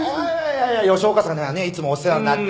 いやいや吉岡さんにはねいつもお世話になって。